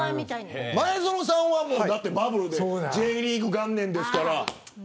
前園さんはバブルでＪリーグ元年ですから。